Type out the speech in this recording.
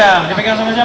udah dipegang dua duanya